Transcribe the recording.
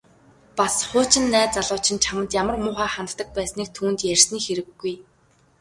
Бас хуучин найз залуу чинь чамд ямар муухай ханддаг байсныг түүнд ярьсны хэрэггүй.